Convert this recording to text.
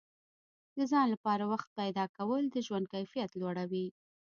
د ځان لپاره وخت پیدا کول د ژوند کیفیت لوړوي.